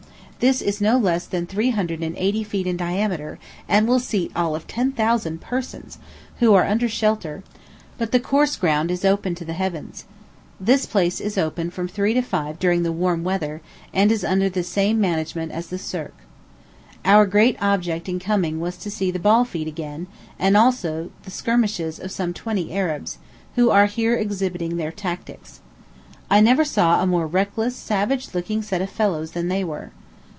This is no less than three hundred and eighty feet in diameter, and will seat all of ten thousand persons, who are under shelter, but the course ground is open to the heavens. This place is open from three to five during the warm weather, and is under the same management as the Cirque. Our great object in coming was to see the ball feat again, and also the skirmishes of some twenty Arabs, who are here exhibiting their tactics. I never saw a more reckless, savage looking set of fellows than they were.